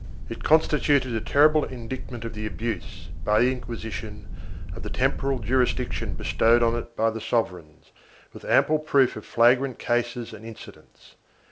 It constituted a terrible indictment of the abuse, by the Inquisi tion, of the temporal jurisdiction bestowed on it by the sovereigns, with ample proof of flagrant cases and incidents.